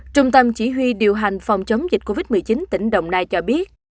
trung tâm chỉ huy điều hành phòng chống dịch covid một mươi chín tỉnh đồng nai cho biết